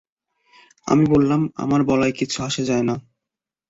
আমি বললাম, আমার বলায় কিছু আসে-যায় না।